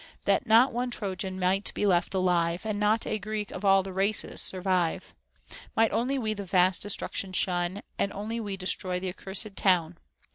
That not one Trojan might be left alive, And not a Greek of all the race survive. Might only we the vast destruction shun, And only we destroy the accursed town